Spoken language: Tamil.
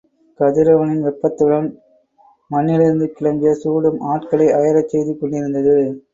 கதிரவனின் வெப்பத்துடன், மண்ணிலிருந்து கிளம்பிய குடும் ஆட்களை அயரச் செய்து கொண்டிருந்தது.